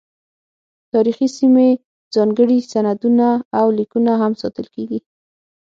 تاریخي سیمې، ځانګړي سندونه او لیکونه هم ساتل کیږي.